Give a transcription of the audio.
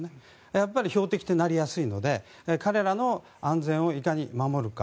やっぱり標的になりやすいので彼らの安全をいかに守るか。